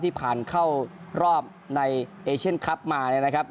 ผ่านเข้ารอบในเอเชียนคลับมาเนี่ยนะครับ